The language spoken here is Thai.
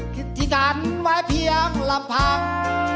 คิดที่ดันไว้เพียงลำพัง